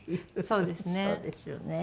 そうですね。